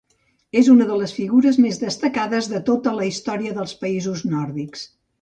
És una de les figures més destacades de tota la història dels països nòrdics.